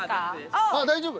あっ大丈夫。